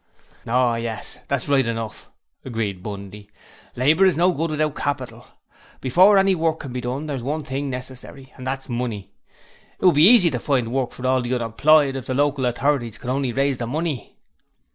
'Oh yes, that's right enough,' agreed Bundy. 'Labour is no good without Capital. Before any work can be done there's one thing necessary, and that's money. It would be easy to find work for all the unemployed if the local authorities could only raise the money.'